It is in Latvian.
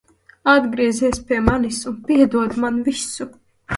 Atgriezies pie manis un piedod man visu!